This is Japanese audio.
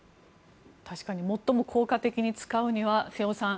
確かに最も効果的に使うには、瀬尾さん